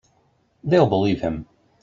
They'll believe him.